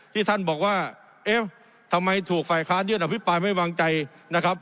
ที่ท่านบอกว่าเอ๊ะทำไมถูกฝ่ายค้านยื่นอภิปรายไม่วางใจนะครับ